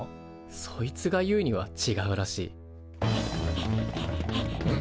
そいつが言うにはちがうらしい。